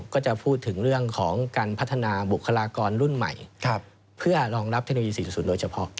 ก็จะพูดถึงเรื่องของการพัฒนาบุคลากรรุ่นใหม่เพื่อรองรับเทคโนโลยี๔๐โดยเฉพาะ